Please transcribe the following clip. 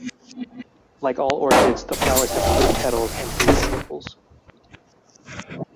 Like all orchids the flowers have three petals and three sepals.